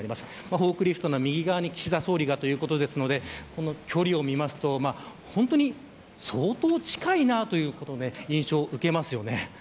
フォークリフトの右側に岸田総理が、ということなのでこの距離を見ると相当近いなという印象を受けますよね。